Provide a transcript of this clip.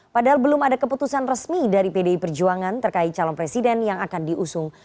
padahal belum ada keputusan resmi dari pdi perjuangan terkait calon presiden yang akan diusung